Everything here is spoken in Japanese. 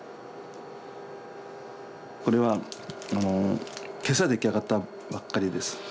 これは今朝出来上がったばっかりです。